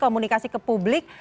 komunikasi ke publik